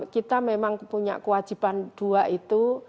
kita memang punya kewajiban dua itu